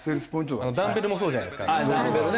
ダンベルもそうじゃないですか。